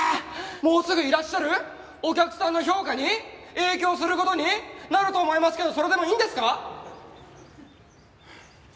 もうすぐいらっしゃるお客さんの評価に影響する事になると思いますけどそれでもいいんですか！？